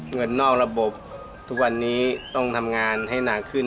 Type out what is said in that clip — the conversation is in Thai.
เงินนอกระบบทุกวันนี้ต้องทำงานให้หนักขึ้น